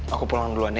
aku pulang duluan ya